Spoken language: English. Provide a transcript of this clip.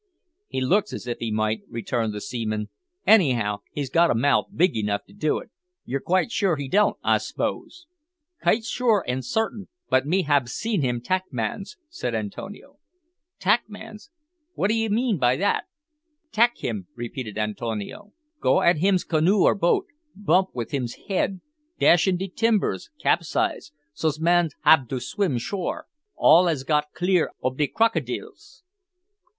"He looks as if he might," returned the seaman; "anyhow, he's got a mouth big enough to do it. You're quite sure he don't, I 'spose?" "Kite sure an' sartin; but me hab seen him tak mans," said Antonio. "Tak mans, wot d'ee mean by that?" "Tak him," repeated Antonio. "Go at him's canoe or boat bump with him's head dash in de timbers capsize, so's man hab to swim shore all as got clear ob de crokidils."